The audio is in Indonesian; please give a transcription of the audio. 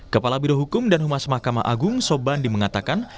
kepala birohukum dan humas mahkamah agung sobandi mengatakan